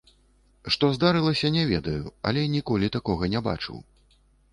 Што здарылася, не ведаю, але ніколі такога не бачыў.